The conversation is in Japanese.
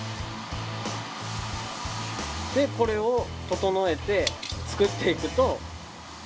でこれを整えて作っていくと。